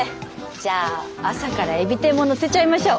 じゃあ朝からえび天ものせちゃいましょう。